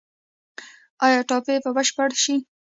آیا ټاپي به بشپړه شي؟